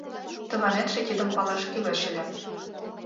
Тыланетше тидым палаш кӱлеш ыле.